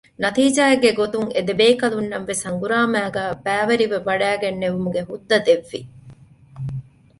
ނަތީޖާއެއްގެ ގޮތުން އެދެބޭކަލުންނަށްވެސް ހަނގުރާމައިގައި ބައިވެރިވެވަޑައިގެންނެވުމުގެ ހުއްދަ ދެއްވި